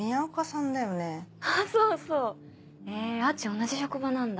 同じ職場なんだ。